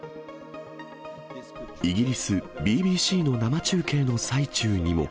イギリスＢＢＣの生中継の最中にも。